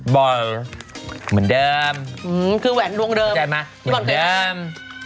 บอลเหมือนเดิมอืมคือแหวนดวงเดิมเจอไหมดวงเดิม